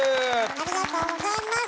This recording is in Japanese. ありがとうございます！